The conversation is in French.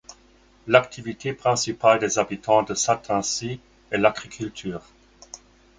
L'activité principale des habitants de Šatrinci est l'agriculture.